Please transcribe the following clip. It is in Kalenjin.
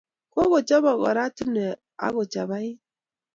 Kokochobok oratinwek ako chapait